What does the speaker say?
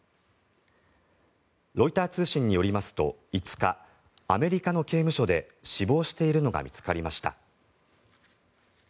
ロイター通信によりますと５日、アメリカの刑務所で死亡しているのが見つかりました。